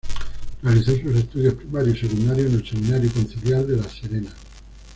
Realizó sus estudios primarios y secundarios en el Seminario Conciliar de La Serena.